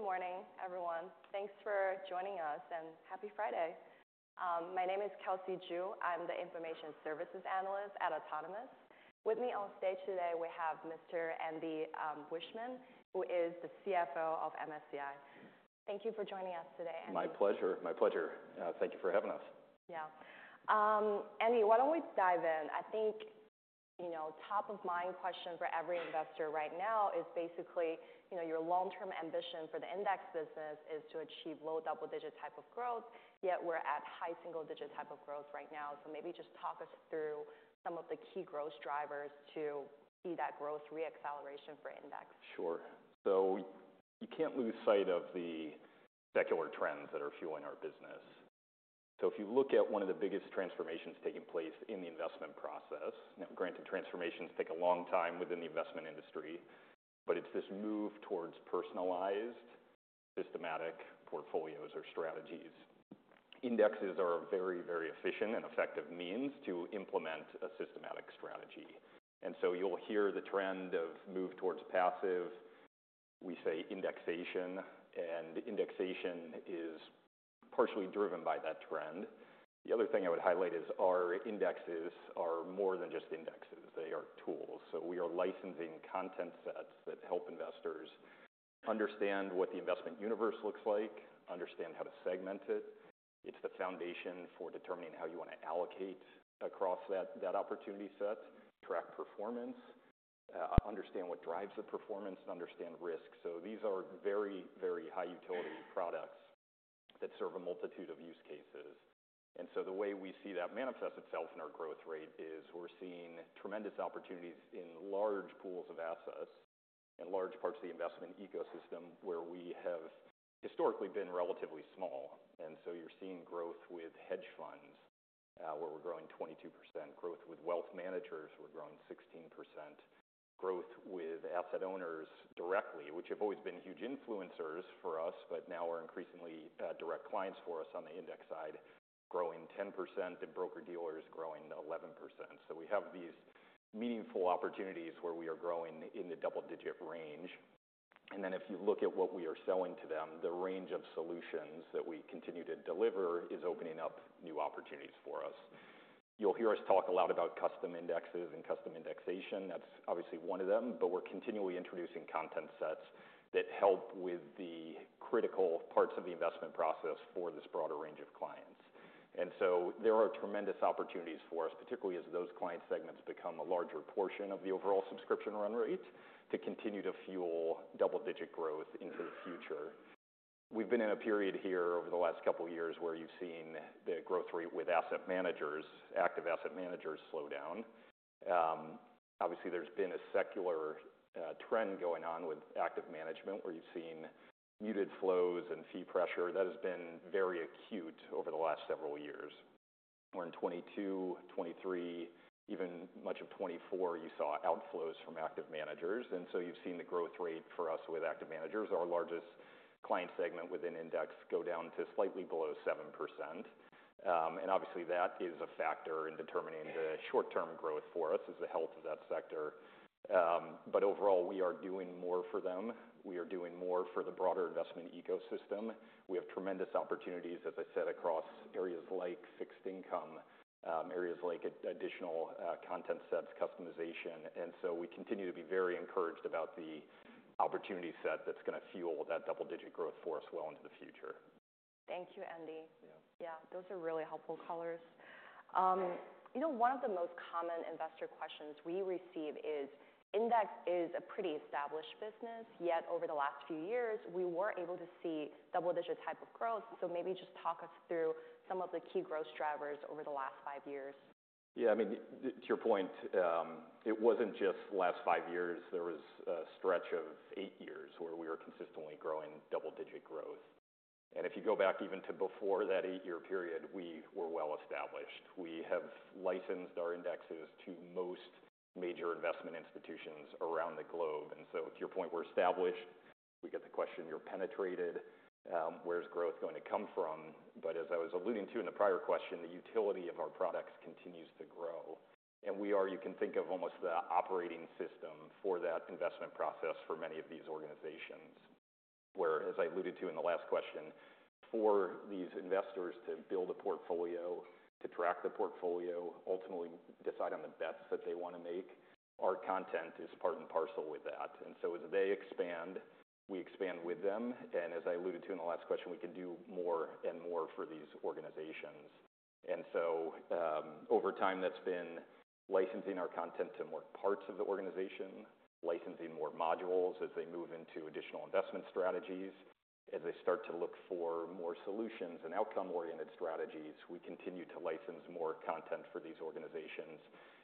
Hi. Good morning, everyone. Thanks for joining us and happy Friday. My name is Kelsey Zhu. I'm the Information Services Analyst at Autonomous. With me on stage today, we have Mr. Andy Wiechmann, who is the CFO of MSCI. Thank you for joining us today, Andy. My pleasure. My pleasure. Thank you for having us. Yeah. Andy, why don't we dive in? I think, you know, top-of-mind question for every investor right now is basically, you know, your long-term ambition for the index business is to achieve low double-digit type of growth, yet we're at high single-digit type of growth right now. Maybe just talk us through some of the key growth drivers to see that growth re-acceleration for index. Sure. You can't lose sight of the secular trends that are fueling our business. If you look at one of the biggest transformations taking place in the investment process—now, granted, transformations take a long time within the investment industry—it is this move towards personalized, systematic portfolios or strategies. Indexes are a very, very efficient and effective means to implement a systematic strategy. You'll hear the trend of move towards passive. We say indexation, and indexation is partially driven by that trend. The other thing I would highlight is our indexes are more than just indexes. They are tools. We are licensing content sets that help investors understand what the investment universe looks like, understand how to segment it. It is the foundation for determining how you want to allocate across that opportunity set, track performance, understand what drives the performance, and understand risk. These are very, very high-utility products that serve a multitude of use cases. The way we see that manifest itself in our growth rate is we're seeing tremendous opportunities in large pools of assets and large parts of the investment ecosystem where we have historically been relatively small. You're seeing growth with hedge funds, where we're growing 22%. Growth with wealth managers, we're growing 16%. Growth with asset owners directly, which have always been huge influencers for us, but now are increasingly direct clients for us on the index side, growing 10%, and broker-dealers growing 11%. We have these meaningful opportunities where we are growing in the double-digit range. If you look at what we are selling to them, the range of solutions that we continue to deliver is opening up new opportunities for us. You'll hear us talk a lot about custom indexes and custom indexation. That's obviously one of them, but we're continually introducing content sets that help with the critical parts of the investment process for this broader range of clients. There are tremendous opportunities for us, particularly as those client segments become a larger portion of the overall subscription run rate to continue to fuel double-digit growth into the future. We've been in a period here over the last couple of years where you've seen the growth rate with asset managers, active asset managers, slow down. Obviously, there's been a secular trend going on with active management where you've seen muted flows and fee pressure. That has been very acute over the last several years. We're in 2022, 2023, even much of 2024, you saw outflows from active managers. You have seen the growth rate for us with active managers. Our largest client segment within index go down to slightly below 7%. Obviously, that is a factor in determining the short-term growth for us is the health of that sector. Overall, we are doing more for them. We are doing more for the broader investment ecosystem. We have tremendous opportunities, as I said, across areas like fixed income, areas like additional content sets, customization. We continue to be very encouraged about the opportunity set that is gonna fuel that double-digit growth for us well into the future. Thank you, Andy. Yeah. Yeah. Those are really helpful colors. You know, one of the most common investor questions we receive is index is a pretty established business, yet over the last few years, we were able to see double-digit type of growth. Maybe just talk us through some of the key growth drivers over the last five years. Yeah. I mean, to your point, it was not just last five years. There was a stretch of eight years where we were consistently growing double-digit growth. And if you go back even to before that eight-year period, we were well established. We have licensed our indexes to most major investment institutions around the globe. And so to your point, we are established. We get the question, "You are penetrated. Where is growth going to come from?" As I was alluding to in the prior question, the utility of our products continues to grow. We are—you can think of almost the operating system for that investment process for many of these organizations where, as I alluded to in the last question, for these investors to build a portfolio, to track the portfolio, ultimately decide on the bets that they want to make, our content is part and parcel with that. As they expand, we expand with them. As I alluded to in the last question, we can do more and more for these organizations. Over time, that has been licensing our content to more parts of the organization, licensing more modules as they move into additional investment strategies, as they start to look for more solutions and outcome-oriented strategies. We continue to license more content for these organizations.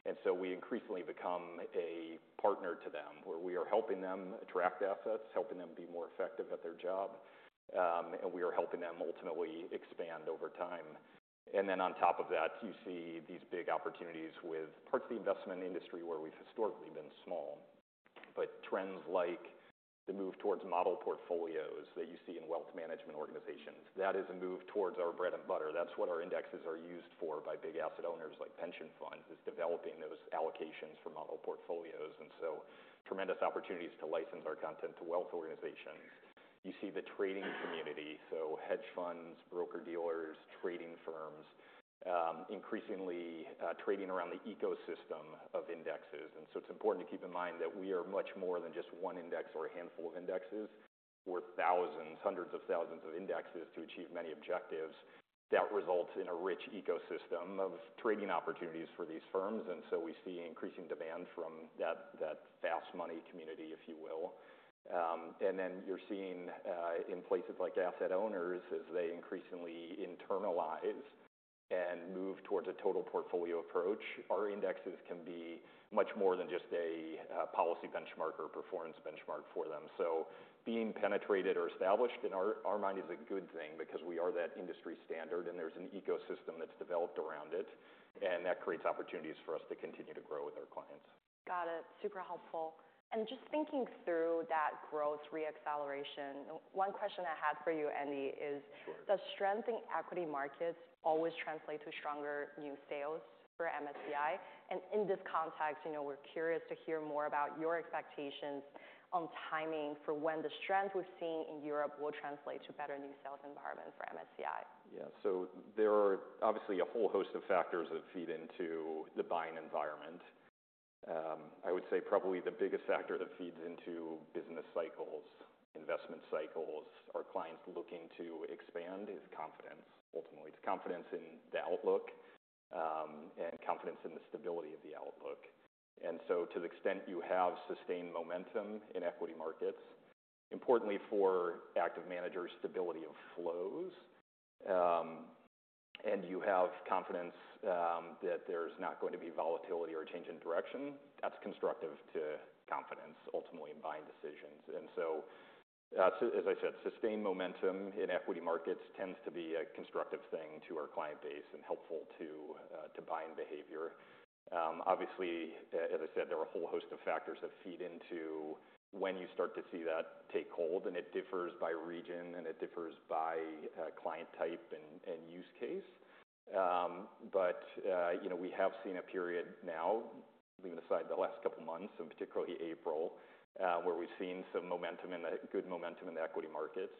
We increasingly become a partner to them where we are helping them attract assets, helping them be more effective at their job, and we are helping them ultimately expand over time. On top of that, you see these big opportunities with parts of the investment industry where we have historically been small. Trends like the move towards model portfolios that you see in wealth management organizations, that is a move towards our bread and butter. That is what our indexes are used for by big asset owners like pension funds, is developing those allocations for model portfolios. There are tremendous opportunities to license our content to wealth organizations. You see the trading community, so hedge funds, broker-dealers, trading firms, increasingly, trading around the ecosystem of indexes. It is important to keep in mind that we are much more than just one index or a handful of indexes. We are thousands, hundreds of thousands of indexes to achieve many objectives. That results in a rich ecosystem of trading opportunities for these firms. We see increasing demand from that, that fast money community, if you will. and then you're seeing, in places like asset owners, as they increasingly internalize and move towards a total portfolio approach, our indexes can be much more than just a policy benchmark or performance benchmark for them. Being penetrated or established in our mind is a good thing because we are that industry standard and there's an ecosystem that's developed around it, and that creates opportunities for us to continue to grow with our clients. Got it. Super helpful. Just thinking through that growth re-acceleration, one question I had for you, Andy, is. Sure. Does strength in equity markets always translate to stronger new sales for MSCI? In this context, you know, we're curious to hear more about your expectations on timing for when the strength we've seen in Europe will translate to better new sales environment for MSCI. Yeah. There are obviously a whole host of factors that feed into the buying environment. I would say probably the biggest factor that feeds into business cycles, investment cycles, our clients looking to expand is confidence. Ultimately, it is confidence in the outlook, and confidence in the stability of the outlook. To the extent you have sustained momentum in equity markets, importantly for active managers, stability of flows, and you have confidence that there is not going to be volatility or change in direction, that is constructive to confidence ultimately in buying decisions. As I said, sustained momentum in equity markets tends to be a constructive thing to our client base and helpful to buying behavior. Obviously, as I said, there are a whole host of factors that feed into when you start to see that take hold. It differs by region, and it differs by client type and use case. But, you know, we have seen a period now, leaving aside the last couple of months, and particularly April, where we've seen some momentum, good momentum in the equity markets.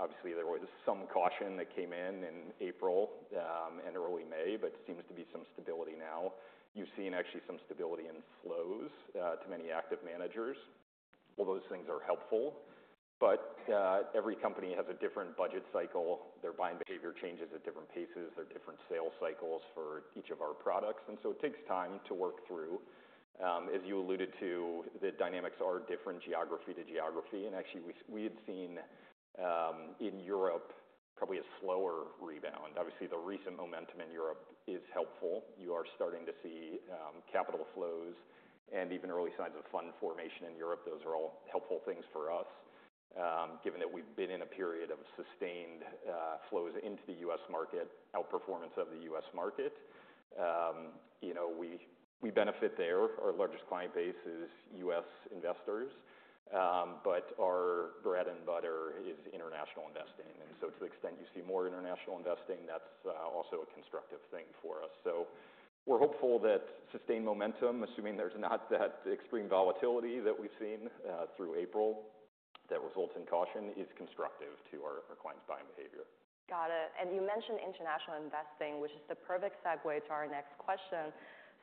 Obviously, there was some caution that came in in April and early May, but seems to be some stability now. You've seen actually some stability in flows to many active managers. Those things are helpful, but every company has a different budget cycle. Their buying behavior changes at different paces. There are different sales cycles for each of our products, and so it takes time to work through. As you alluded to, the dynamics are different geography to geography. Actually, we had seen in Europe probably a slower rebound. Obviously, the recent momentum in Europe is helpful. You are starting to see capital flows and even early signs of fund formation in Europe. Those are all helpful things for us, given that we've been in a period of sustained flows into the US market, outperformance of the US market. You know, we benefit there. Our largest client base is US investors, but our bread and butter is international investing. To the extent you see more international investing, that's also a constructive thing for us. We are hopeful that sustained momentum, assuming there's not that extreme volatility that we've seen through April that results in caution, is constructive to our clients' buying behavior. Got it. You mentioned international investing, which is the perfect segue to our next question.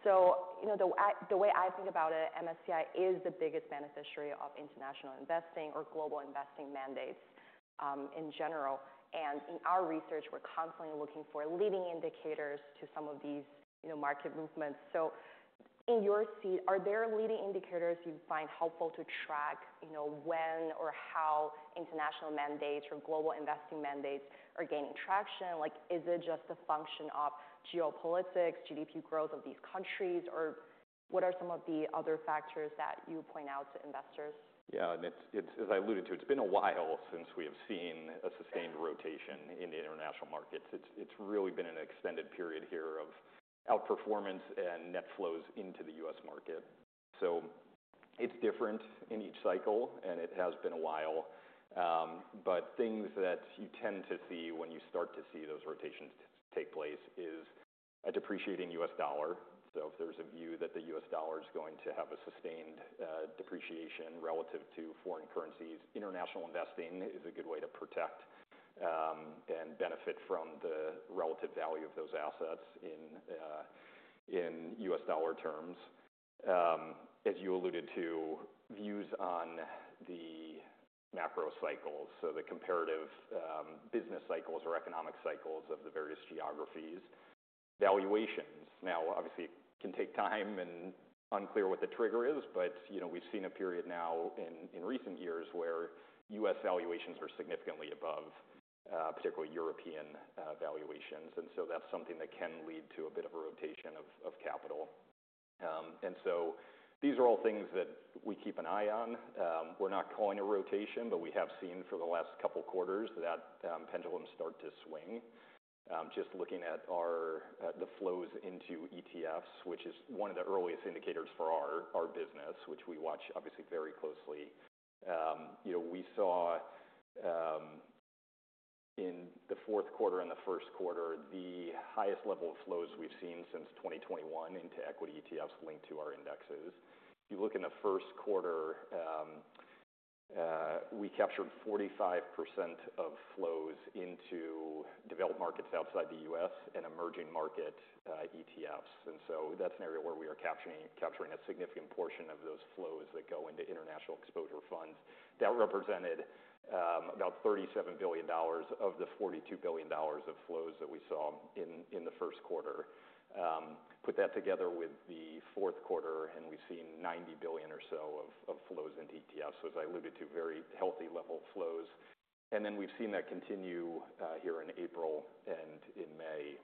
You know, the way I think about it, MSCI is the biggest beneficiary of international investing or global investing mandates, in general. In our research, we're constantly looking for leading indicators to some of these, you know, market movements. In your seat, are there leading indicators you find helpful to track, you know, when or how international mandates or global investing mandates are gaining traction? Is it just a function of geopolitics, GDP growth of these countries, or what are some of the other factors that you point out to investors? Yeah. As I alluded to, it's been a while since we have seen a sustained rotation in the international markets. It's really been an extended period here of outperformance and net flows into the US market. It's different in each cycle, and it has been a while. Things that you tend to see when you start to see those rotations take place is a depreciating US dollar. If there's a view that the US dollar is going to have a sustained depreciation relative to foreign currencies, international investing is a good way to protect and benefit from the relative value of those assets in US dollar terms. As you alluded to, views on the macro cycles, so the comparative business cycles or economic cycles of the various geographies, valuations. Now, obviously, it can take time and unclear what the trigger is, but, you know, we have seen a period now in recent years where U.S. valuations are significantly above, particularly European, valuations. That is something that can lead to a bit of a rotation of capital. These are all things that we keep an eye on. We are not calling a rotation, but we have seen for the last couple of quarters that pendulums start to swing. Just looking at the flows into ETFs, which is one of the earliest indicators for our business, which we watch obviously very closely. You know, we saw, in the fourth quarter and the first quarter, the highest level of flows we have seen since 2021 into equity ETFs linked to our indexes. If you look in the first quarter, we captured 45% of flows into developed markets outside the U.S. and emerging market ETFs. That is an area where we are capturing a significant portion of those flows that go into international exposure funds. That represented about $37 billion of the $42 billion of flows that we saw in the first quarter. Put that together with the fourth quarter, and we have seen $90 billion or so of flows into ETFs, as I alluded to, very healthy level of flows. We have seen that continue here in April and in May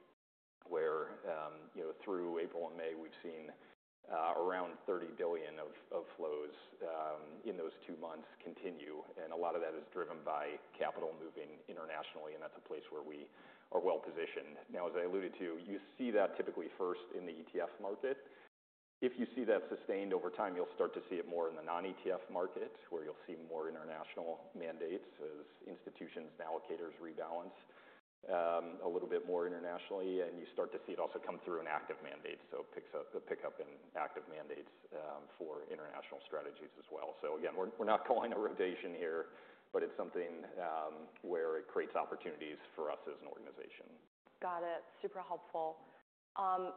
where, you know, through April and May, we have seen around $30 billion of flows in those two months continue. A lot of that is driven by capital moving internationally, and that is a place where we are well positioned. Now, as I alluded to, you see that typically first in the ETF market. If you see that sustained over time, you'll start to see it more in the non-ETF market where you'll see more international mandates as institutions and allocators rebalance a little bit more internationally, and you start to see it also come through in active mandates. It picks up in active mandates for international strategies as well. Again, we're not calling a rotation here, but it's something where it creates opportunities for us as an organization. Got it. Super helpful.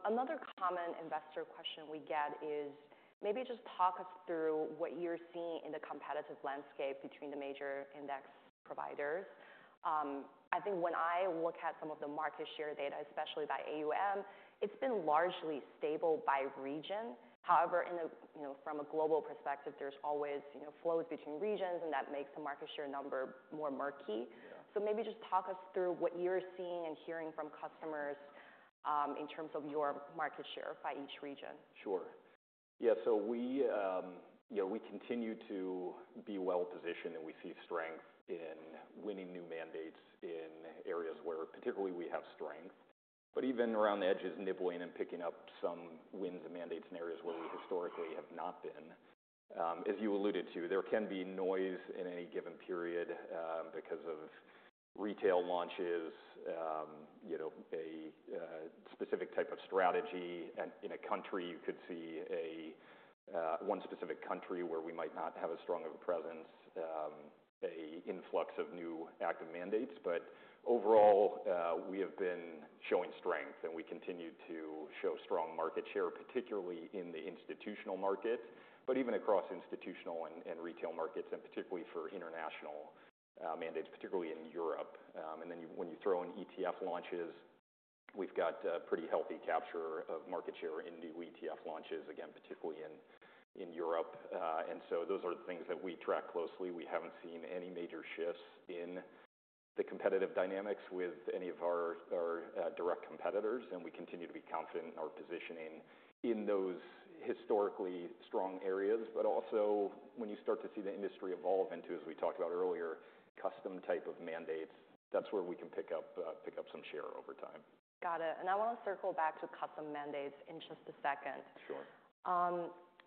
Another common investor question we get is maybe just talk us through what you're seeing in the competitive landscape between the major index providers. I think when I look at some of the market share data, especially by AUM, it's been largely stable by region. However, from a global perspective, there's always, you know, flows between regions, and that makes the market share number more murky. Yeah. Maybe just talk us through what you're seeing and hearing from customers, in terms of your market share by each region. Sure. Yeah. So we, you know, we continue to be well positioned, and we see strength in winning new mandates in areas where particularly we have strength, but even around the edges, nibbling and picking up some wins and mandates in areas where we historically have not been. As you alluded to, there can be noise in any given period, because of retail launches, you know, a specific type of strategy. In a country, you could see a, one specific country where we might not have as strong of a presence, an influx of new active mandates. Overall, we have been showing strength, and we continue to show strong market share, particularly in the institutional market, but even across institutional and retail markets, and particularly for international mandates, particularly in Europe. and then you, when you throw in ETF launches, we've got a pretty healthy capture of market share in new ETF launches, again, particularly in Europe. Those are the things that we track closely. We haven't seen any major shifts in the competitive dynamics with any of our direct competitors, and we continue to be confident in our positioning in those historically strong areas. Also, when you start to see the industry evolve into, as we talked about earlier, custom type of mandates, that's where we can pick up some share over time. Got it. I want to circle back to custom mandates in just a second. Sure.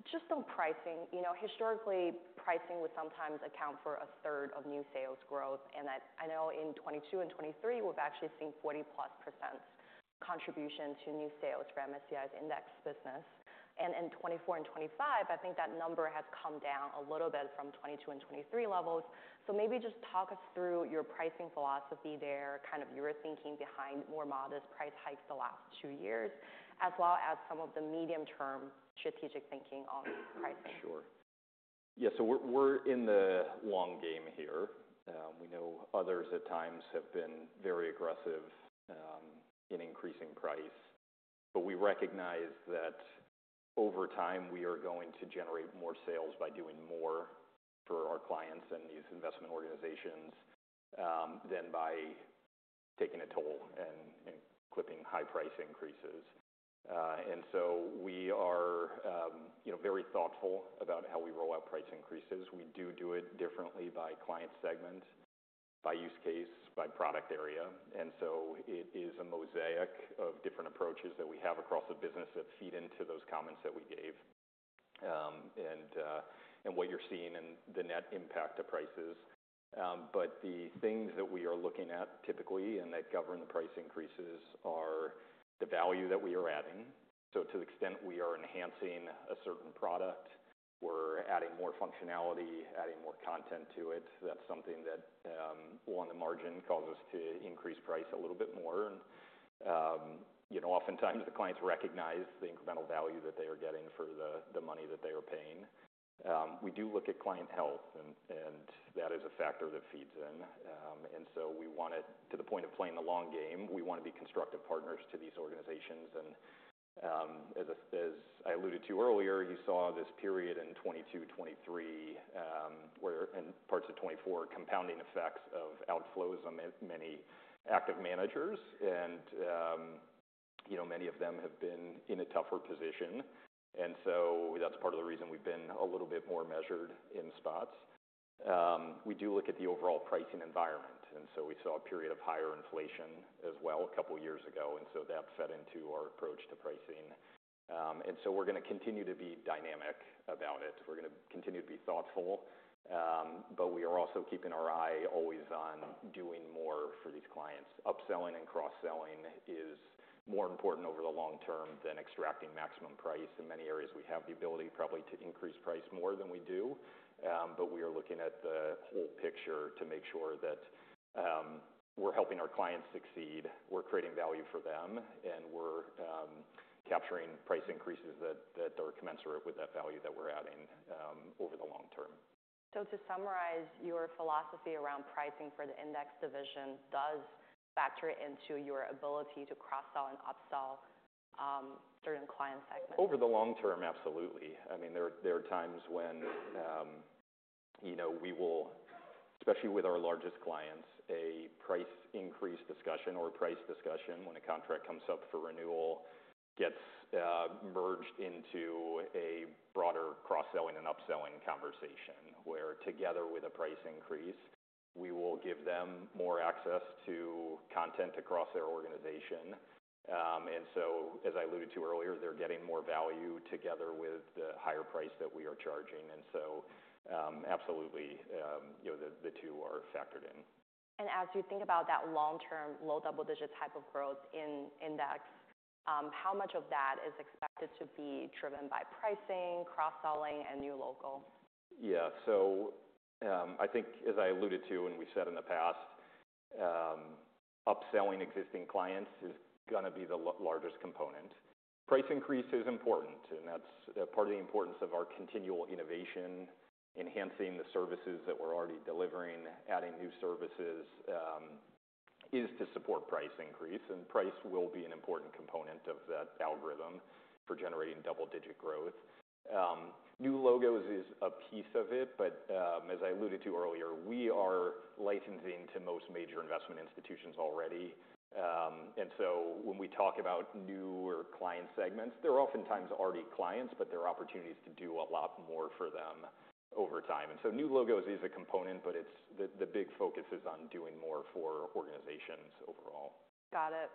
Just on pricing, you know, historically, pricing would sometimes account for a third of new sales growth. And I know in 2022 and 2023, we've actually seen 40+% contribution to new sales for MSCI's index business. And in 2024 and 2025, I think that number has come down a little bit from 2022 and 2023 levels. So maybe just talk us through your pricing philosophy there, kind of your thinking behind more modest price hikes the last two years, as well as some of the medium-term strategic thinking on pricing. Sure. Yeah. So we're in the long game here. We know others at times have been very aggressive in increasing price, but we recognize that over time, we are going to generate more sales by doing more for our clients and these investment organizations than by taking a toll and clipping high price increases. We are, you know, very thoughtful about how we roll out price increases. We do do it differently by client segment, by use case, by product area. It is a mosaic of different approaches that we have across the business that feed into those comments that we gave, and what you're seeing in the net impact of prices. The things that we are looking at typically and that govern the price increases are the value that we are adding. To the extent we are enhancing a certain product, we're adding more functionality, adding more content to it. That will on the margin cause us to increase price a little bit more. You know, oftentimes the clients recognize the incremental value that they are getting for the money that they are paying. We do look at client health, and that is a factor that feeds in. We want to, to the point of playing the long game, we want to be constructive partners to these organizations. As I alluded to earlier, you saw this period in 2022, 2023, where in parts of 2024, compounding effects of outflows on many, many active managers. Many of them have been in a tougher position. That is part of the reason we've been a little bit more measured in spots. We do look at the overall pricing environment. We saw a period of higher inflation as well a couple of years ago. That fed into our approach to pricing. We are going to continue to be dynamic about it. We are going to continue to be thoughtful. We are also keeping our eye always on doing more for these clients. Upselling and cross-selling is more important over the long term than extracting maximum price. In many areas, we have the ability probably to increase price more than we do. We are looking at the whole picture to make sure that we are helping our clients succeed. We are creating value for them, and we are capturing price increases that are commensurate with that value that we are adding over the long term. To summarize, your philosophy around pricing for the index division does factor into your ability to cross-sell and upsell certain client segments. Over the long term, absolutely. I mean, there are times when, you know, we will, especially with our largest clients, a price increase discussion or a price discussion when a contract comes up for renewal gets merged into a broader cross-selling and upselling conversation where together with a price increase, we will give them more access to content across their organization. As I alluded to earlier, they are getting more value together with the higher price that we are charging. Absolutely, you know, the two are factored in. As you think about that long-term low double-digit type of growth in index, how much of that is expected to be driven by pricing, cross-selling, and new local? Yeah. I think, as I alluded to and we said in the past, upselling existing clients is going to be the largest component. Price increase is important, and that's part of the importance of our continual innovation, enhancing the services that we're already delivering, adding new services, is to support price increase. Price will be an important component of that algorithm for generating double-digit growth. New logos is a piece of it, but, as I alluded to earlier, we are licensing to most major investment institutions already. When we talk about newer client segments, they're oftentimes already clients, but there are opportunities to do a lot more for them over time. New logos is a component, but the big focus is on doing more for organizations overall. Got it.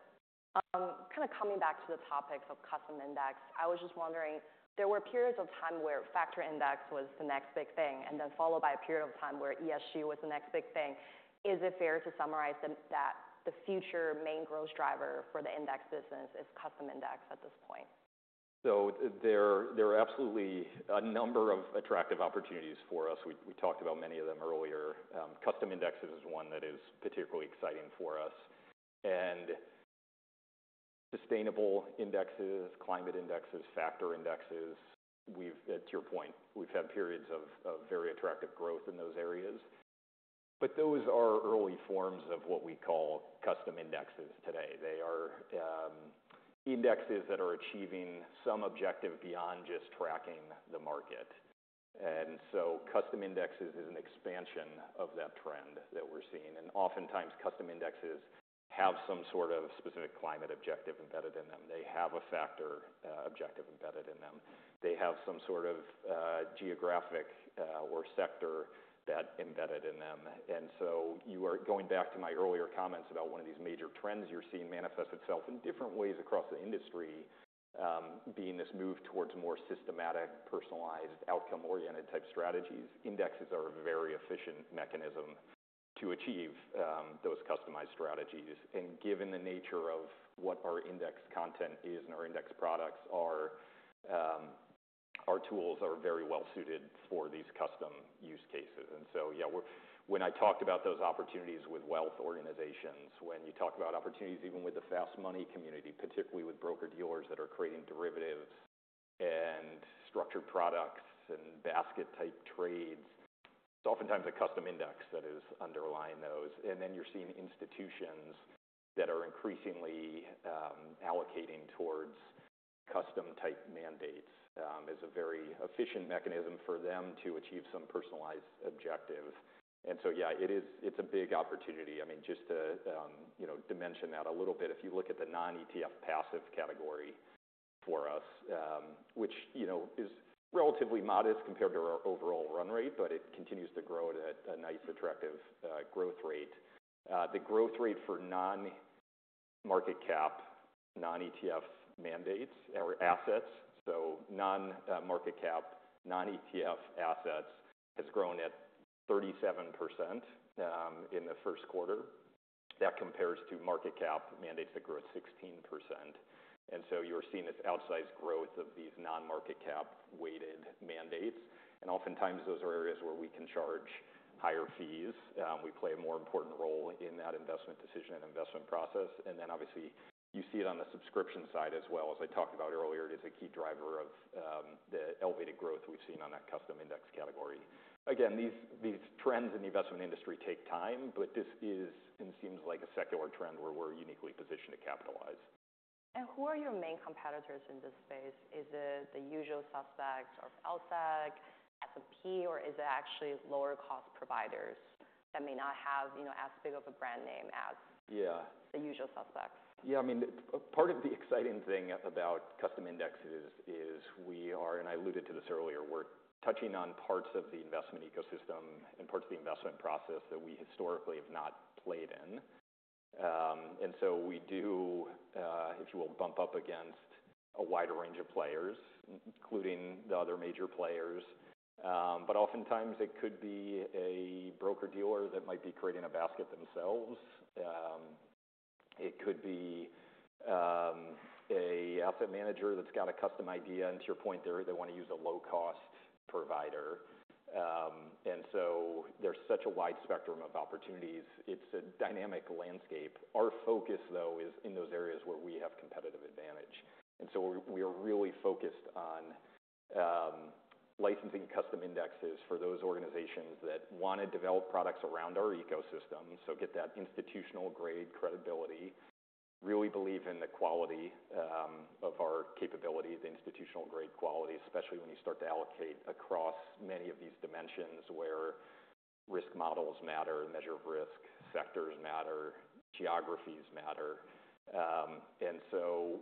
Kind of coming back to the topic of custom index, I was just wondering, there were periods of time where factor index was the next big thing and then followed by a period of time where ESG was the next big thing. Is it fair to summarize that the future main growth driver for the index business is custom index at this point? There are absolutely a number of attractive opportunities for us. We talked about many of them earlier. Custom indexes is one that is particularly exciting for us. And sustainable indexes, climate indexes, factor indexes, to your point, we've had periods of very attractive growth in those areas. Those are early forms of what we call custom indexes today. They are indexes that are achieving some objective beyond just tracking the market. Custom indexes is an expansion of that trend that we're seeing. Oftentimes, custom indexes have some sort of specific climate objective embedded in them. They have a factor objective embedded in them. They have some sort of geographic or sector objective embedded in them. You are going back to my earlier comments about one of these major trends you're seeing manifest itself in different ways across the industry, being this move towards more systematic, personalized, outcome-oriented type strategies. Indexes are a very efficient mechanism to achieve those customized strategies. Given the nature of what our index content is and our index products are, our tools are very well suited for these custom use cases. Yeah, when I talked about those opportunities with wealth organizations, when you talk about opportunities even with the fast money community, particularly with broker-dealers that are creating derivatives and structured products and basket-type trades, it's oftentimes a custom index that is underlying those. You are seeing institutions that are increasingly allocating towards custom-type mandates as a very efficient mechanism for them to achieve some personalized objectives. Yeah, it is, it's a big opportunity. I mean, just to, you know, dimension that a little bit, if you look at the non-ETF passive category for us, which, you know, is relatively modest compared to our overall run rate, but it continues to grow at a nice, attractive growth rate. The growth rate for non-market cap, non-ETF mandates or assets, so non-market cap, non-ETF assets has grown at 37% in the first quarter. That compares to market cap mandates that grow at 16%. You are seeing this outsized growth of these non-market cap weighted mandates. Oftentimes, those are areas where we can charge higher fees. We play a more important role in that investment decision and investment process. Obviously, you see it on the subscription side as well. As I talked about earlier, it is a key driver of the elevated growth we've seen on that custom index category. Again, these trends in the investment industry take time, but this is and seems like a secular trend where we're uniquely positioned to capitalize. Who are your main competitors in this space? Is it the usual suspects of LSEG, S&P, or is it actually lower-cost providers that may not have, you know, as big of a brand name as. Yeah. The usual suspects. Yeah. I mean, part of the exciting thing about custom indexes is we are, and I alluded to this earlier, we're touching on parts of the investment ecosystem and parts of the investment process that we historically have not played in. And so we do, if you will, bump up against a wider range of players, including the other major players. But oftentimes, it could be a broker-dealer that might be creating a basket themselves. It could be an asset manager that's got a custom idea. And to your point, they want to use a low-cost provider. And so there's such a wide spectrum of opportunities. It's a dynamic landscape. Our focus, though, is in those areas where we have competitive advantage. And so we are really focused on licensing custom indexes for those organizations that want to develop products around our ecosystem. So get that institutional-grade credibility. Really believe in the quality of our capability, the institutional-grade quality, especially when you start to allocate across many of these dimensions where risk models matter, measure of risk, sectors matter, geographies matter.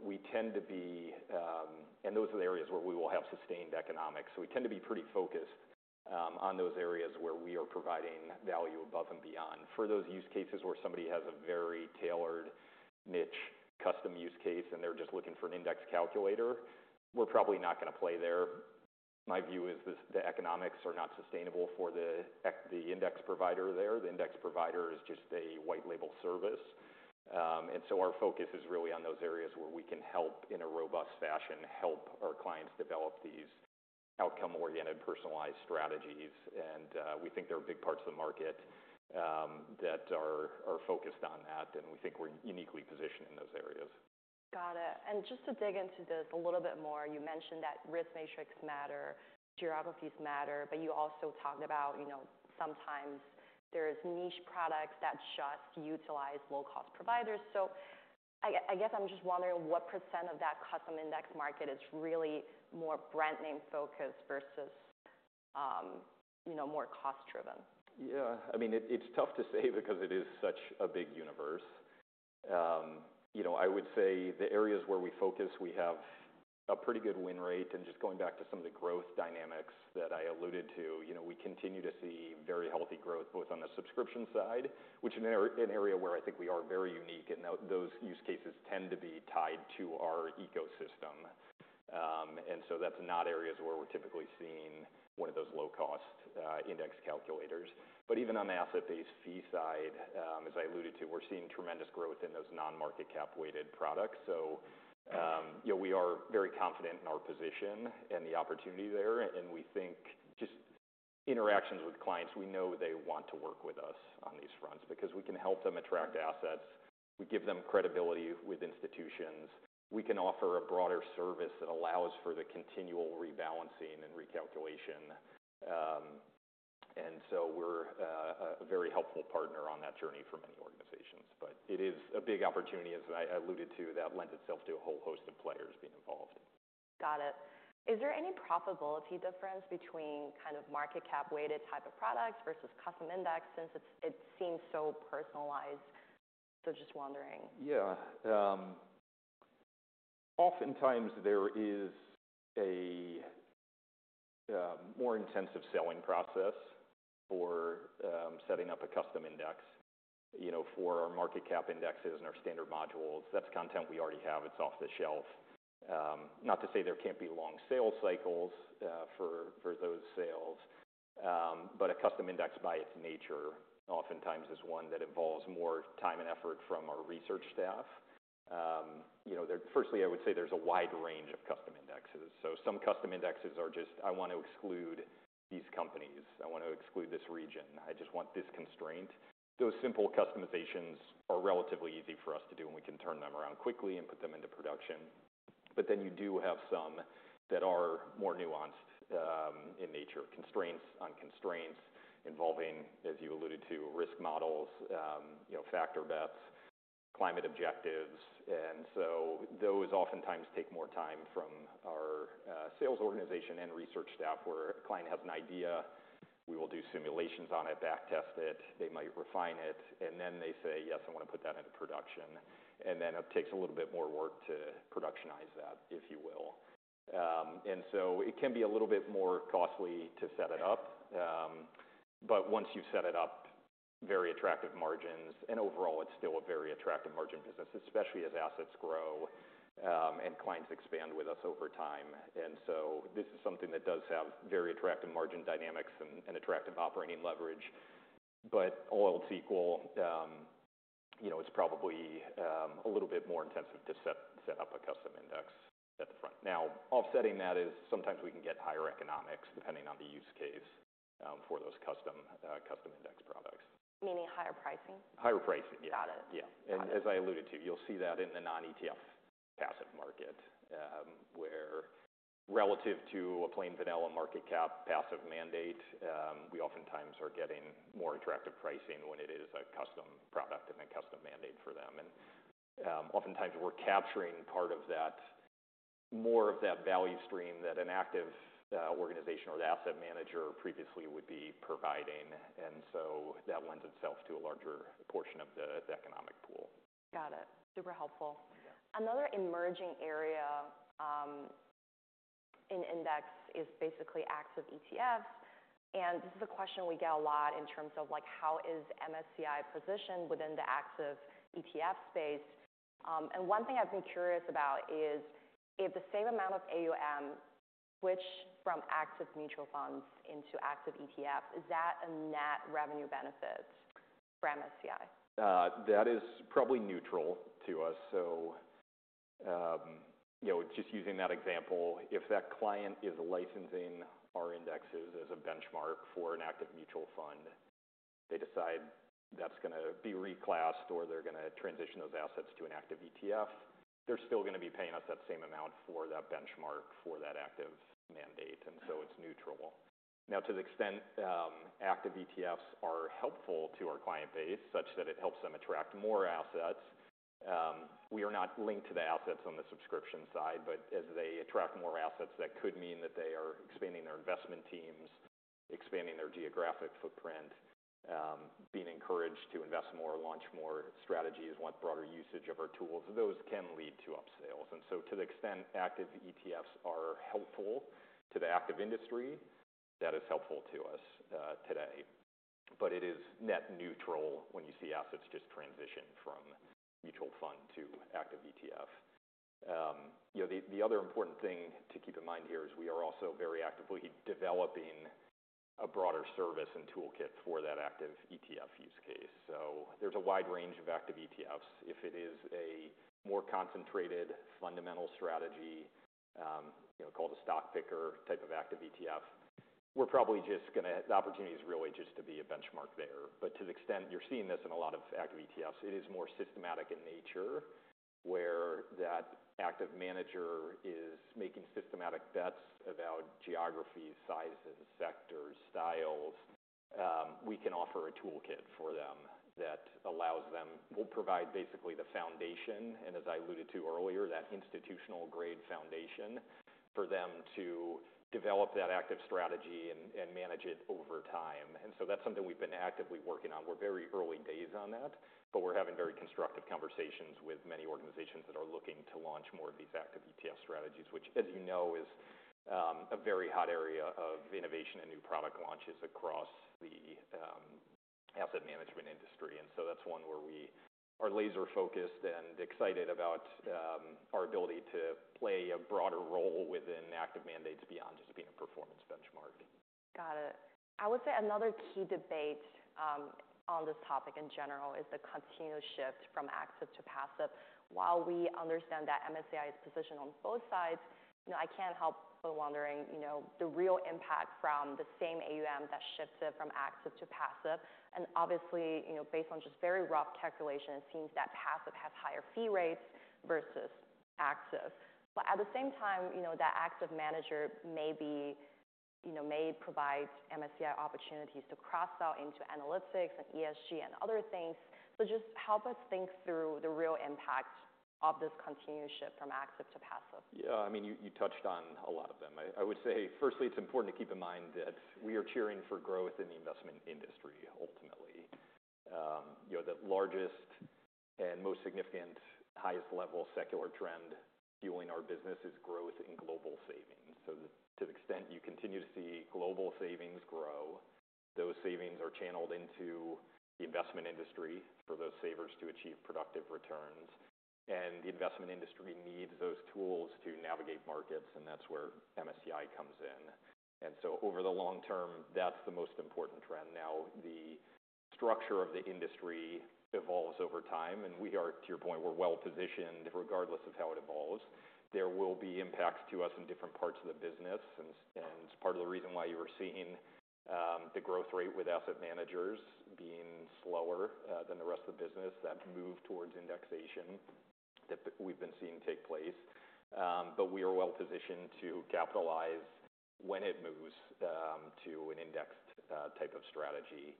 We tend to be, and those are the areas where we will have sustained economics. We tend to be pretty focused on those areas where we are providing value above and beyond. For those use cases where somebody has a very tailored niche custom use case and they're just looking for an index calculator, we're probably not going to play there. My view is the economics are not sustainable for the index provider there. The index provider is just a white-label service. Our focus is really on those areas where we can help in a robust fashion, help our clients develop these outcome-oriented, personalized strategies. We think there are big parts of the market that are focused on that. We think we're uniquely positioned in those areas. Got it. Just to dig into this a little bit more, you mentioned that risk matrix matter, geographies matter, but you also talked about, you know, sometimes there are niche products that just utilize low-cost providers. I guess I'm just wondering what % of that custom index market is really more brand name focus versus, you know, more cost-driven? Yeah. I mean, it's tough to say because it is such a big universe. You know, I would say the areas where we focus, we have a pretty good win rate. And just going back to some of the growth dynamics that I alluded to, you know, we continue to see very healthy growth both on the subscription side, which is an area where I think we are very unique. And those use cases tend to be tied to our ecosystem, and so that's not areas where we're typically seeing one of those low-cost, index calculators. But even on the asset-based fee side, as I alluded to, we're seeing tremendous growth in those non-market cap weighted products. So, you know, we are very confident in our position and the opportunity there. We think just interactions with clients, we know they want to work with us on these fronts because we can help them attract assets. We give them credibility with institutions. We can offer a broader service that allows for the continual rebalancing and recalculation. We are a very helpful partner on that journey for many organizations. It is a big opportunity, as I alluded to, that lends itself to a whole host of players being involved. Got it. Is there any profitability difference between kind of market cap weighted type of products versus custom index since it seems so personalized? So just wondering. Yeah. Oftentimes, there is a more intensive selling process for setting up a custom index. You know, for our market cap indexes and our standard modules, that's content we already have. It's off the shelf. Not to say there can't be long sales cycles for those sales, but a custom index by its nature oftentimes is one that involves more time and effort from our research staff. You know, firstly, I would say there's a wide range of custom indexes. Some custom indexes are just, "I want to exclude these companies. I want to exclude this region. I just want this constraint." Those simple customizations are relatively easy for us to do, and we can turn them around quickly and put them into production. You do have some that are more nuanced, in nature, constraints on constraints involving, as you alluded to, risk models, you know, factor bets, climate objectives. Those oftentimes take more time from our sales organization and research staff where a client has an idea, we will do simulations on it, backtest it, they might refine it, and then they say, "Yes, I want to put that into production." It takes a little bit more work to productionize that, if you will, and so it can be a little bit more costly to set it up. Once you've set it up, very attractive margins. Overall, it's still a very attractive margin business, especially as assets grow, and clients expand with us over time. This is something that does have very attractive margin dynamics and attractive operating leverage. All else equal, you know, it's probably a little bit more intensive to set up a custom index at the front. Now, offsetting that is sometimes we can get higher economics depending on the use case for those custom index products. Meaning higher pricing? Higher pricing, yeah. Got it. Yeah. As I alluded to, you'll see that in the non-ETF passive market, where relative to a plain vanilla market cap passive mandate, we oftentimes are getting more attractive pricing when it is a custom product and a custom mandate for them. Oftentimes, we're capturing part of that, more of that value stream that an active organization or an asset manager previously would be providing. That lends itself to a larger portion of the economic pool. Got it. Super helpful. Another emerging area in index is basically active ETFs. This is a question we get a lot in terms of, like, how is MSCI positioned within the active ETF space? One thing I've been curious about is if the same amount of AUM switched from active mutual funds into active ETFs, is that a net revenue benefit for MSCI? That is probably neutral to us. You know, just using that example, if that client is licensing our indexes as a benchmark for an active mutual fund, they decide that is going to be reclassed or they are going to transition those assets to an active ETF, they are still going to be paying us that same amount for that benchmark for that active mandate. It is neutral. Now, to the extent active ETFs are helpful to our client base such that it helps them attract more assets, we are not linked to the assets on the subscription side. As they attract more assets, that could mean that they are expanding their investment teams, expanding their geographic footprint, being encouraged to invest more, launch more strategies, want broader usage of our tools. Those can lead to upsales. To the extent active ETFs are helpful to the active industry, that is helpful to us, today. It is net neutral when you see assets just transition from mutual fund to active ETF. You know, the other important thing to keep in mind here is we are also very actively developing a broader service and toolkit for that active ETF use case. There is a wide range of active ETFs. If it is a more concentrated fundamental strategy, you know, called a stock picker type of active ETF, we are probably just going to have the opportunities really just to be a benchmark there. To the extent you are seeing this in a lot of active ETFs, it is more systematic in nature where that active manager is making systematic bets about geographies, sizes, sectors, styles. We can offer a toolkit for them that allows them, will provide basically the foundation. As I alluded to earlier, that institutional-grade foundation for them to develop that active strategy and manage it over time. That is something we've been actively working on. We're very early days on that, but we're having very constructive conversations with many organizations that are looking to launch more of these active ETF strategies, which, as you know, is a very hot area of innovation and new product launches across the asset management industry. That is one where we are laser-focused and excited about our ability to play a broader role within active mandates beyond just being a performance benchmark. Got it. I would say another key debate on this topic in general is the continuous shift from active to passive. While we understand that MSCI is positioned on both sides, you know, I can't help but wondering, you know, the real impact from the same AUM that shifted from active to passive. Obviously, you know, based on just very rough calculation, it seems that passive has higher fee rates versus active. At the same time, you know, that active manager may be, you know, may provide MSCI opportunities to cross-sell into analytics and ESG and other things. Just help us think through the real impact of this continuous shift from active to passive. Yeah. I mean, you touched on a lot of them. I would say, firstly, it's important to keep in mind that we are cheering for growth in the investment industry ultimately. You know, the largest and most significant highest-level secular trend fueling our business is growth in global savings. To the extent you continue to see global savings grow, those savings are channeled into the investment industry for those savers to achieve productive returns. The investment industry needs those tools to navigate markets. That's where MSCI comes in. Over the long term, that's the most important trend. Now, the structure of the industry evolves over time. We are, to your point, well-positioned regardless of how it evolves. There will be impacts to us in different parts of the business. Part of the reason why you were seeing the growth rate with asset managers being slower than the rest of the business is that move towards indexation that we have been seeing take place. We are well-positioned to capitalize when it moves to an indexed type of strategy.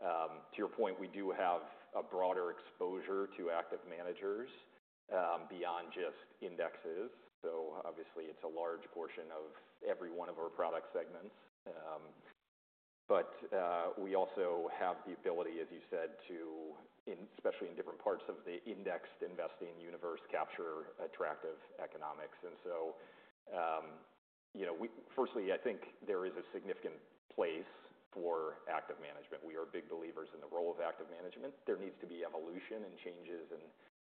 To your point, we do have a broader exposure to active managers beyond just indexes. Obviously, it is a large portion of every one of our product segments, but we also have the ability, as you said, to, especially in different parts of the indexed investing universe, capture attractive economics. Firstly, I think there is a significant place for active management. We are big believers in the role of active management. There needs to be evolution and changes in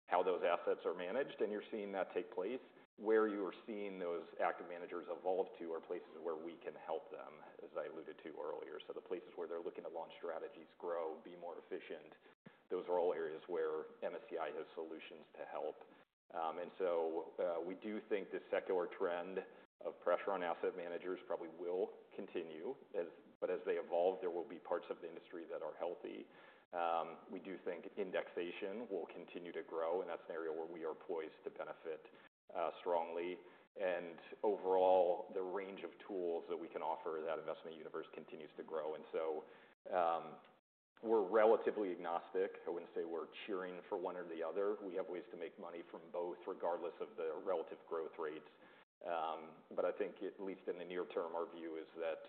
how those assets are managed. You are seeing that take place. Where you are seeing those active managers evolve to are places where we can help them, as I alluded to earlier. The places where they're looking to launch strategies, grow, be more efficient, those are all areas where MSCI has solutions to help. We do think the secular trend of pressure on asset managers probably will continue. As they evolve, there will be parts of the industry that are healthy. We do think indexation will continue to grow in that scenario where we are poised to benefit, strongly. Overall, the range of tools that we can offer that investment universe continues to grow. We are relatively agnostic. I would not say we are cheering for one or the other. We have ways to make money from both regardless of the relative growth rates. I think at least in the near term, our view is that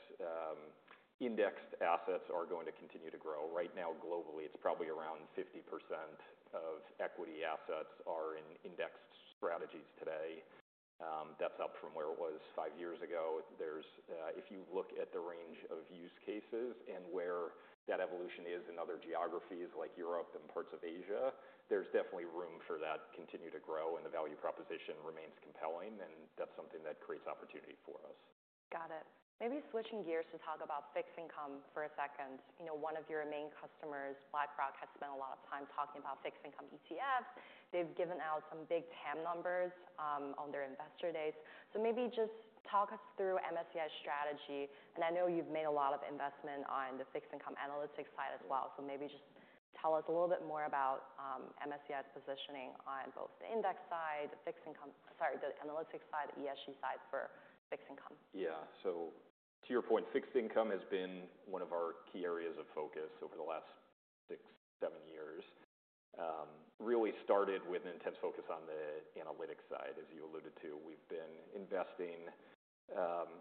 indexed assets are going to continue to grow. Right now, globally, it's probably around 50% of equity assets are in indexed strategies today. That's up from where it was five years ago. If you look at the range of use cases and where that evolution is in other geographies like Europe and parts of Asia, there's definitely room for that to continue to grow and the value proposition remains compelling. That is something that creates opportunity for us. Got it. Maybe switching gears to talk about fixed income for a second. You know, one of your main customers, BlackRock, has spent a lot of time talking about fixed income ETFs. They've given out some big TAM numbers, on their investor days. Maybe just talk us through MSCI strategy. I know you've made a lot of investment on the fixed income analytics side as well. Maybe just tell us a little bit more about MSCI's positioning on both the index side, the fixed income, sorry, the analytics side, the ESG side for fixed income. Yeah. To your point, fixed income has been one of our key areas of focus over the last six, seven years. Really started with an intense focus on the analytics side, as you alluded to. We've been investing,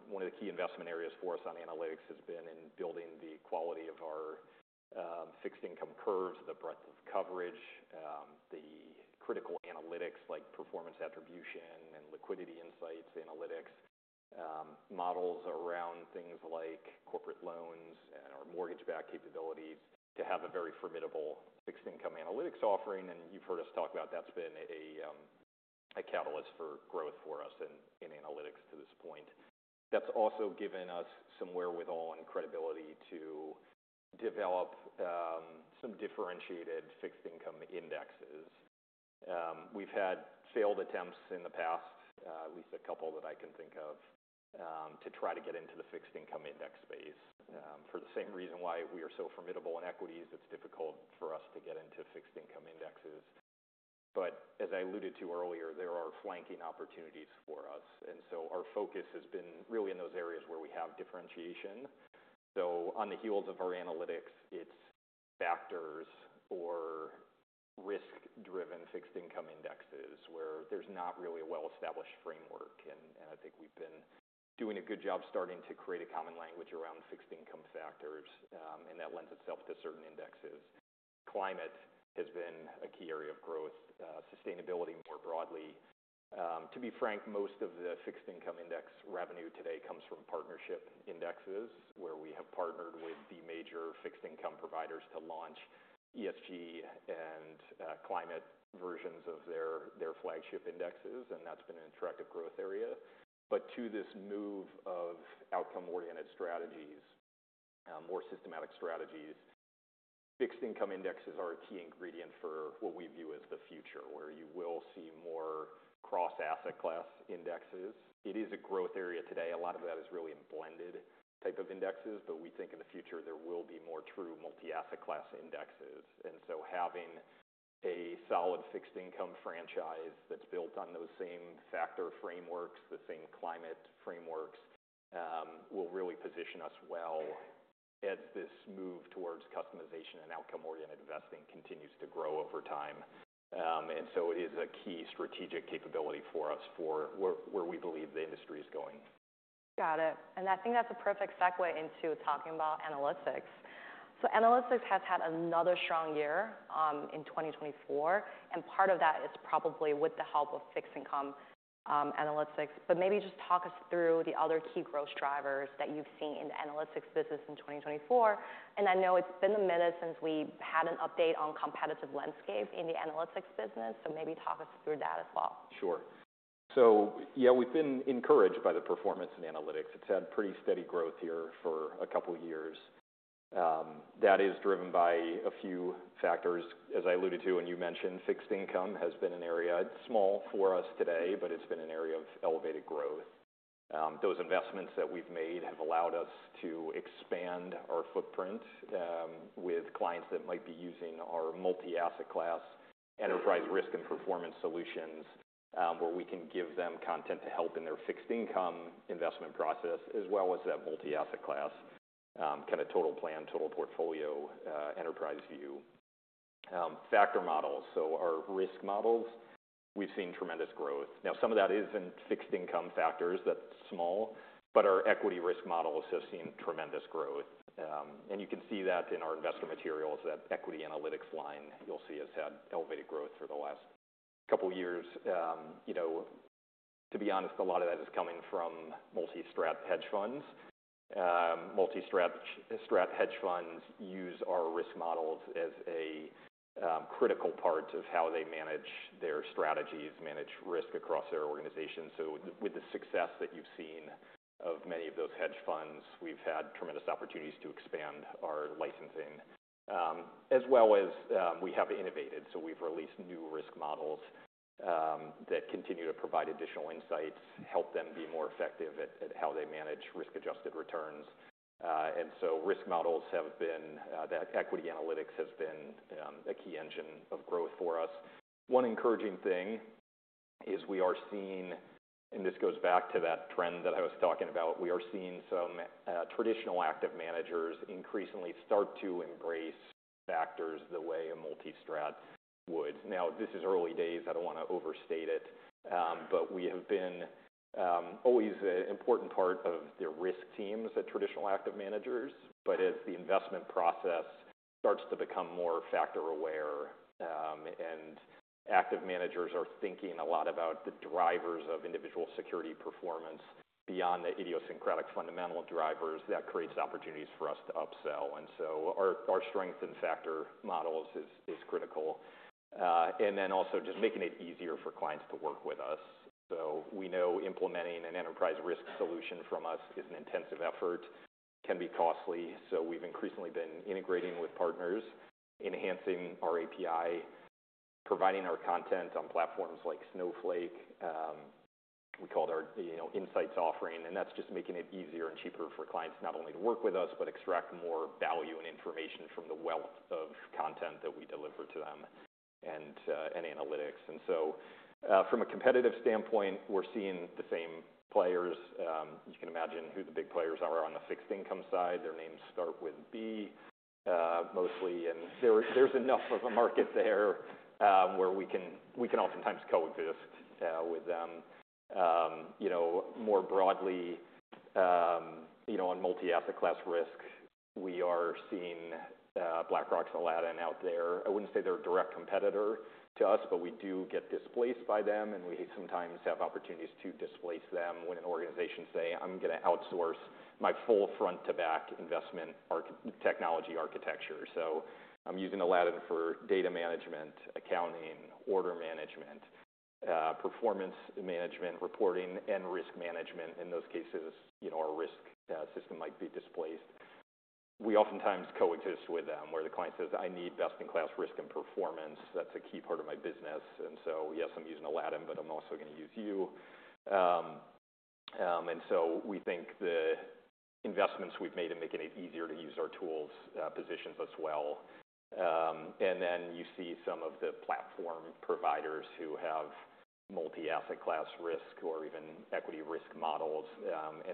one of the key investment areas for us on analytics has been in building the quality of our fixed income curves, the breadth of coverage, the critical analytics like performance attribution and liquidity insights, analytics, models around things like corporate loans and our mortgage-backed capabilities to have a very formidable fixed income analytics offering. You've heard us talk about that's been a catalyst for growth for us in analytics to this point. That's also given us some wherewithal and credibility to develop some differentiated fixed income indexes. We've had failed attempts in the past, at least a couple that I can think of, to try to get into the fixed income index space, for the same reason why we are so formidable in equities. It's difficult for us to get into fixed income indexes. As I alluded to earlier, there are flanking opportunities for us. Our focus has been really in those areas where we have differentiation. On the heels of our analytics, it's factors or risk-driven fixed income indexes where there's not really a well-established framework. I think we've been doing a good job starting to create a common language around fixed income factors, and that lends itself to certain indexes. Climate has been a key area of growth, sustainability more broadly. To be frank, most of the fixed income index revenue today comes from partnership indexes where we have partnered with the major fixed income providers to launch ESG and climate versions of their flagship indexes. That has been an attractive growth area. To this move of outcome-oriented strategies, more systematic strategies, fixed income indexes are a key ingredient for what we view as the future where you will see more cross-asset class indexes. It is a growth area today. A lot of that is really in blended type of indexes. We think in the future there will be more true multi-asset class indexes. Having a solid fixed income franchise that is built on those same factor frameworks, the same climate frameworks, will really position us well as this move towards customization and outcome-oriented investing continues to grow over time. and so it is a key strategic capability for us for where we believe the industry is going. Got it. I think that's a perfect segue into talking about analytics. Analytics has had another strong year in 2024. Part of that is probably with the help of fixed income analytics. Maybe just talk us through the other key growth drivers that you've seen in the analytics business in 2024. I know it's been a minute since we had an update on the competitive landscape in the analytics business. Maybe talk us through that as well. Sure. So yeah, we've been encouraged by the performance in analytics. It's had pretty steady growth here for a couple of years. That is driven by a few factors. As I alluded to, and you mentioned, fixed income has been an area. It's small for us today, but it's been an area of elevated growth. Those investments that we've made have allowed us to expand our footprint, with clients that might be using our multi-asset class enterprise risk and performance solutions, where we can give them content to help in their fixed income investment process as well as that multi-asset class, kind of total plan, total portfolio, enterprise view. Factor models. So our risk models, we've seen tremendous growth. Now, some of that is in fixed income factors that's small, but our equity risk models have seen tremendous growth. You can see that in our investor materials, that equity analytics line you'll see has had elevated growth for the last couple of years. You know, to be honest, a lot of that is coming from multi-strat hedge funds. Multi-strat hedge funds use our risk models as a critical part of how they manage their strategies, manage risk across their organization. With the success that you've seen of many of those hedge funds, we've had tremendous opportunities to expand our licensing, as well as, we have innovated. We've released new risk models that continue to provide additional insights, help them be more effective at how they manage risk-adjusted returns. Risk models have been, that equity analytics has been, a key engine of growth for us. One encouraging thing is we are seeing, and this goes back to that trend that I was talking about, we are seeing some traditional active managers increasingly start to embrace factors the way a multi-strat would. Now, this is early days. I do not want to overstate it, but we have been always an important part of the risk teams at traditional active managers. As the investment process starts to become more factor-aware, and active managers are thinking a lot about the drivers of individual security performance beyond the idiosyncratic fundamental drivers, that creates opportunities for us to upsell. Our strength in factor models is critical, and then also just making it easier for clients to work with us. We know implementing an enterprise risk solution from us is an intensive effort, can be costly. We've increasingly been integrating with partners, enhancing our API, providing our content on platforms like Snowflake. We called our, you know, insights offering. That is just making it easier and cheaper for clients not only to work with us, but extract more value and information from the wealth of content that we deliver to them and analytics. From a competitive standpoint, we're seeing the same players. You can imagine who the big players are on the fixed income side. Their names start with B, mostly. There is enough of a market there, where we can oftentimes coexist with them. You know, more broadly, you know, on multi-asset class risk, we are seeing BlackRock's Aladdin out there. I would not say they are a direct competitor to us, but we do get displaced by them. We sometimes have opportunities to displace them when an organization says, "I'm going to outsource my full front-to-back investment technology architecture." I'm using Aladdin for data management, accounting, order management, performance management, reporting, and risk management. In those cases, you know, our risk system might be displaced. We oftentimes coexist with them where the client says, "I need best-in-class risk and performance. That's a key part of my business." Yes, I'm using Aladdin, but I'm also going to use you. We think the investments we've made in making it easier to use our tools positions us well. You see some of the platform providers who have multi-asset class risk or even equity risk models.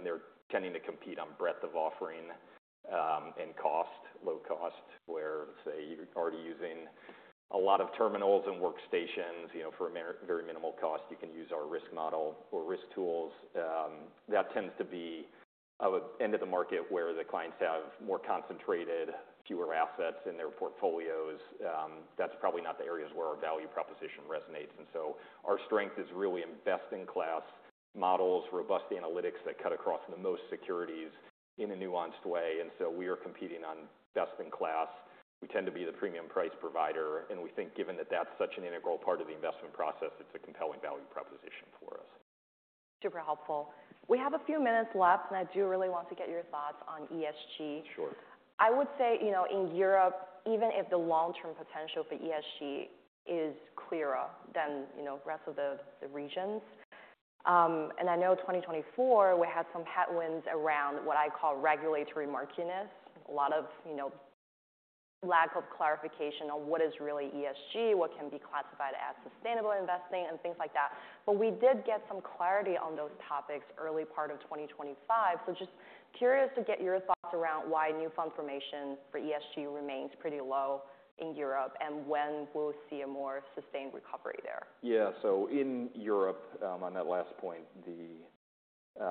they're tending to compete on breadth of offering, and cost, low cost, where, say, you're already using a lot of terminals and workstations, you know, for a very minimal cost, you can use our risk model or risk tools. That tends to be an end of the market where the clients have more concentrated, fewer assets in their portfolios. That's probably not the areas where our value proposition resonates. Our strength is really in best-in-class models, robust analytics that cut across the most securities in a nuanced way. We are competing on best-in-class. We tend to be the premium price provider. We think given that that's such an integral part of the investment process, it's a compelling value proposition for us. Super helpful. We have a few minutes left, and I do really want to get your thoughts on ESG. Sure. I would say, you know, in Europe, even if the long-term potential for ESG is clearer than, you know, the rest of the regions. I know 2024, we had some headwinds around what I call regulatory murkiness, a lot of, you know, lack of clarification on what is really ESG, what can be classified as sustainable investing, and things like that. We did get some clarity on those topics early part of 2025. Just curious to get your thoughts around why new fund formation for ESG remains pretty low in Europe and when we'll see a more sustained recovery there. Yeah. In Europe, on that last point, the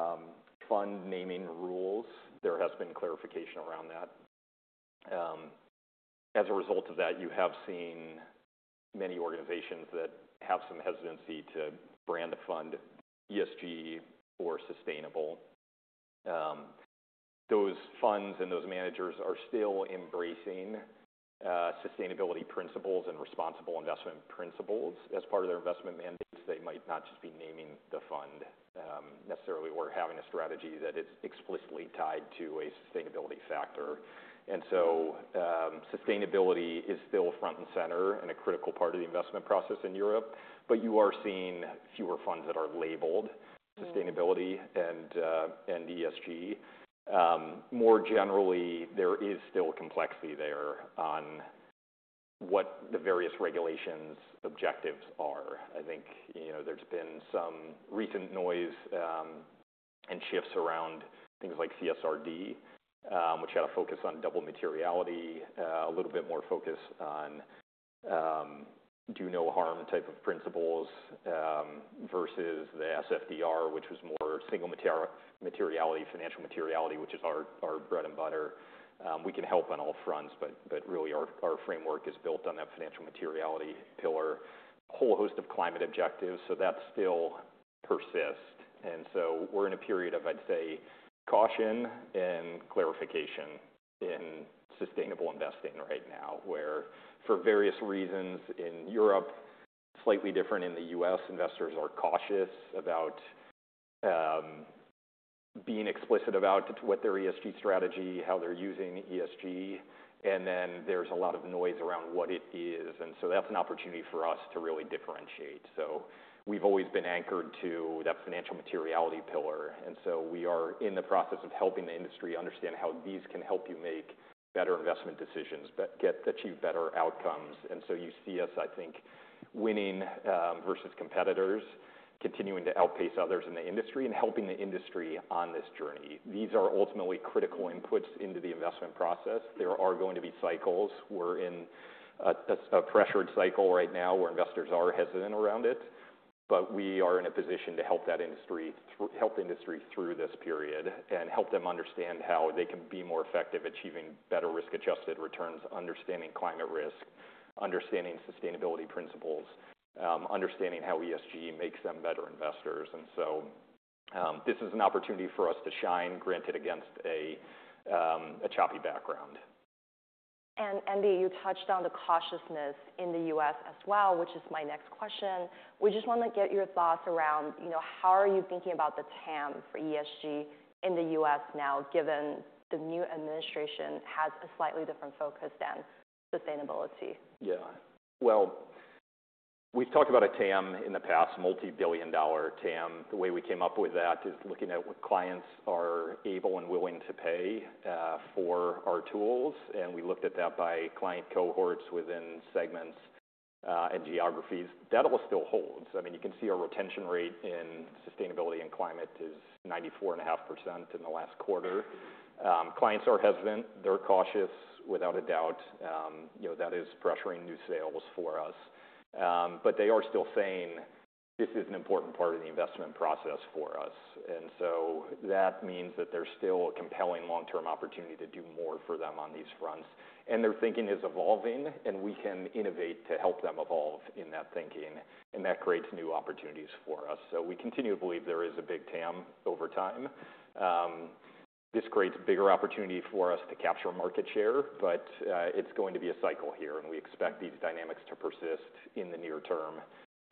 fund naming rules, there has been clarification around that. As a result of that, you have seen many organizations that have some hesitancy to brand a fund ESG or sustainable. Those funds and those managers are still embracing sustainability principles and responsible investment principles as part of their investment mandates. They might not just be naming the fund necessarily or having a strategy that is explicitly tied to a sustainability factor. Sustainability is still front and center and a critical part of the investment process in Europe. You are seeing fewer funds that are labeled sustainability and ESG. More generally, there is still complexity there on what the various regulations' objectives are. I think, you know, there's been some recent noise, and shifts around things like CSRD, which had a focus on double materiality, a little bit more focus on do-no-harm type of principles, versus the SFDR, which was more single materiality, financial materiality, which is our bread and butter. We can help on all fronts, but really our framework is built on that financial materiality pillar, a whole host of climate objectives. That still persists. We are in a period of, I'd say, caution and clarification in sustainable investing right now, where for various reasons in Europe, slightly different in the US, investors are cautious about being explicit about what their ESG strategy is, how they're using ESG. There is a lot of noise around what it is. That is an opportunity for us to really differentiate. We've always been anchored to that financial materiality pillar. We are in the process of helping the industry understand how these can help you make better investment decisions, but achieve better outcomes. You see us, I think, winning versus competitors, continuing to outpace others in the industry and helping the industry on this journey. These are ultimately critical inputs into the investment process. There are going to be cycles. We're in a pressured cycle right now where investors are hesitant around it. We are in a position to help the industry through this period and help them understand how they can be more effective, achieving better risk-adjusted returns, understanding climate risk, understanding sustainability principles, understanding how ESG makes them better investors. This is an opportunity for us to shine, granted against a choppy background. Andy, you touched on the cautiousness in the U.S. as well, which is my next question. We just want to get your thoughts around, you know, how are you thinking about the TAM for ESG in the U.S. now, given the new administration has a slightly different focus than sustainability? Yeah. We've talked about a TAM in the past, multi-billion dollar TAM. The way we came up with that is looking at what clients are able and willing to pay for our tools. And we looked at that by client cohorts within segments and geographies. That all still holds. I mean, you can see our retention rate in sustainability and climate is 94.5% in the last quarter. Clients are hesitant. They're cautious without a doubt. You know, that is pressuring new sales for us. But they are still saying this is an important part of the investment process for us. That means that there's still a compelling long-term opportunity to do more for them on these fronts. Their thinking is evolving, and we can innovate to help them evolve in that thinking. That creates new opportunities for us. We continue to believe there is a big TAM over time. This creates a bigger opportunity for us to capture market share, but it's going to be a cycle here. We expect these dynamics to persist in the near term,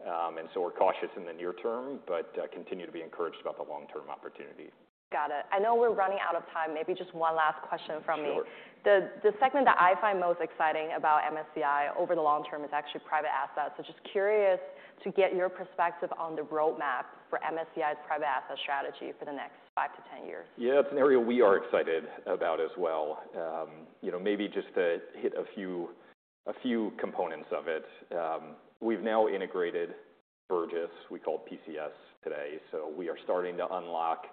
and so we're cautious in the near term, but continue to be encouraged about the long-term opportunity. Got it. I know we're running out of time. Maybe just one last question from me. Sure. The segment that I find most exciting about MSCI over the long term is actually private assets. Just curious to get your perspective on the roadmap for MSCI's private asset strategy for the next 5 to 10 years. Yeah, it's an area we are excited about as well. You know, maybe just to hit a few, a few components of it. We've now integrated Burgess. We call it PCS today. We are starting to unlock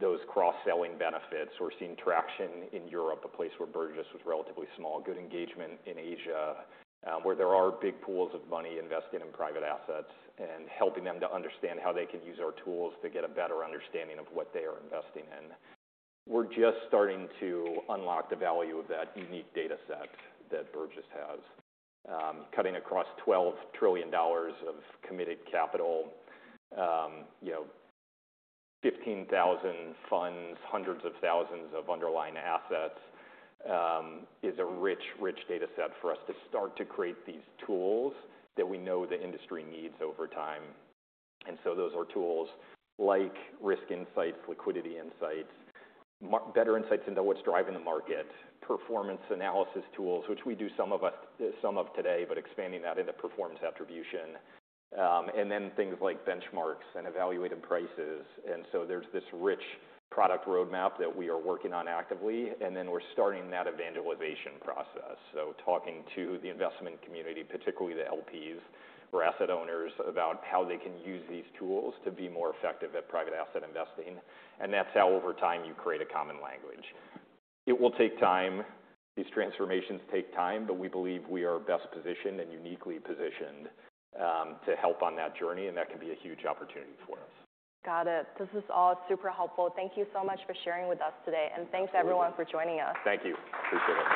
those cross-selling benefits. We're seeing traction in Europe, a place where Burgess was relatively small, good engagement in Asia, where there are big pools of money invested in private assets and helping them to understand how they can use our tools to get a better understanding of what they are investing in. We're just starting to unlock the value of that unique data set that Burgess has, cutting across $12 trillion of committed capital, 15,000 funds, hundreds of thousands of underlying assets, is a rich, rich data set for us to start to create these tools that we know the industry needs over time. Those are tools like risk insights, liquidity insights, better insights into what's driving the market, performance analysis tools, which we do some of today, but expanding that into performance attribution, and then things like benchmarks and evaluated prices. There is this rich product roadmap that we are working on actively. We are starting that evangelization process, talking to the investment community, particularly the LPs or asset owners, about how they can use these tools to be more effective at private asset investing. That is how over time you create a common language. It will take time. These transformations take time, but we believe we are best positioned and uniquely positioned to help on that journey. That can be a huge opportunity for us. Got it. This is all super helpful. Thank you so much for sharing with us today. Thank you, everyone, for joining us. Thank you. Appreciate it.